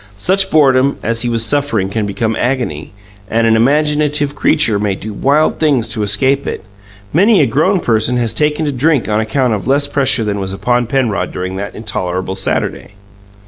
Such boredom as he was suffering can become agony, and an imaginative creature may do wild things to escape it; many a grown person has taken to drink on account of less pressure than was upon Penrod during that intolerable Saturday.